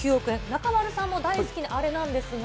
中丸さんも大好きなあれなんですが。